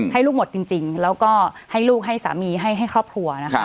ให้ลูกหมดจริงแล้วก็ให้ลูกให้สามีให้ครอบครัวนะคะ